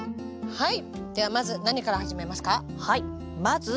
はい。